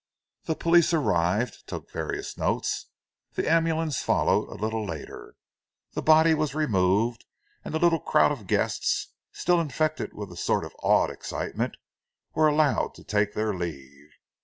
The police arrived, took various notes, the ambulance followed a little later, the body was removed, and the little crowd of guests, still infected with a sort of awed excitement, were allowed to take their leave.